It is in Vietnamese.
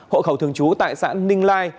hộ khẩu thường trú tại xã ninh lai